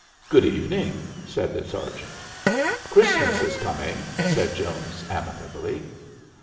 "Good evening," said the sergeant. "Christmas is coming," said Jones, amicably.